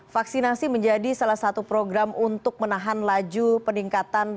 vaksinasi menjadi salah satu program untuk menahan laju peningkatan